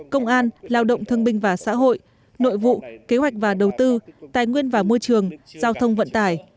công an lao động thương binh và xã hội nội vụ kế hoạch và đầu tư tài nguyên và môi trường giao thông vận tải